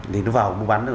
để nó vào mua bán